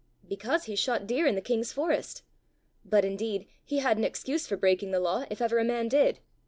"Because he shot deer in the king's forest. But indeed he had an excuse for breaking the law if ever a man did.